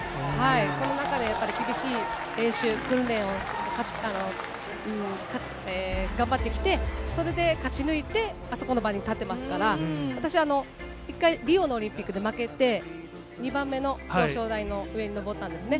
その中でやっぱり厳しい練習、訓練を頑張ってきて、それで勝ち抜いて、あそこの場に立ってますから、私、一回、リオのオリンピックで負けて、２番目の表彰台の上に上ったんですね。